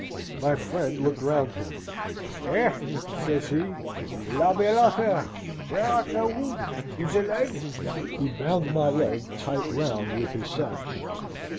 "My friend looked round him. 'Eh!' says he, 'la belle affaire! Where art thou wounded? in the leg?' He bound my leg tight round with his sash.